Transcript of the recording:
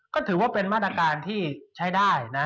ก็ถือว่าเป็นมาตรการที่ใช้ได้นะ